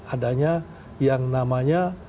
adanya yang namanya